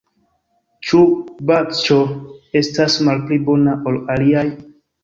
Ĉu Bazĉjo estas malpli bona ol aliaj?